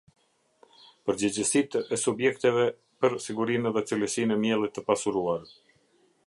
Përgjegjësit e subjekteve për sigurinë dhe cilësinë e miellit të pasuruar.